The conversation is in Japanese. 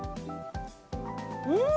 うん！